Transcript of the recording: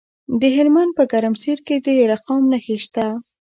د هلمند په ګرمسیر کې د رخام نښې شته.